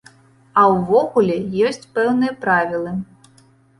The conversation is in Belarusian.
А ўвогуле, ёсць пэўныя правілы.